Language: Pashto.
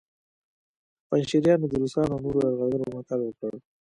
پنجشیریانو د روسانو او نورو یرغلګرو ملاتړ وکړ